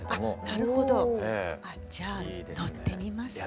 なるほどじゃあ乗ってみます。